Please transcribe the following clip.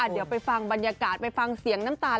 เดี๋ยวไปฟังบรรยากาศไปฟังเสียงน้ำตาล